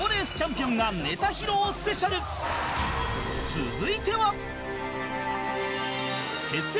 続いては